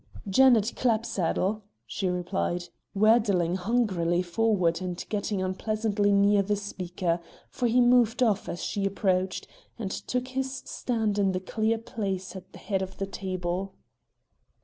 "Janet Clapsaddle," she replied, waddling hungrily forward and getting unpleasantly near the speaker, for he moved off as she approached, and took his stand in the clear place at the head of the table.